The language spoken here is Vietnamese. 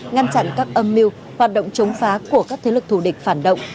ngăn chặn các âm mưu hoạt động chống phá của các thế lực thù địch phản động